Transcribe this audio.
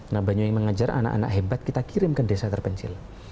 nah banyuwangi mengajar anak anak hebat kita kirim ke desa terpencil